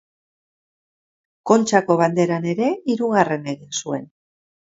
Kontxako banderan ere hirugarren egin zuen.